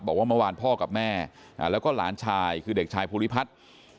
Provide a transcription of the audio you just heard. บอกว่าเมื่อวานพ่อกับแม่แล้วก็หลานชายคือเด็กชายภูริพัฒน์